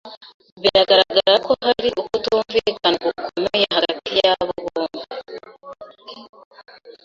Biragaragara ko hari ukutumvikana gukomeye hagati yabo bombi.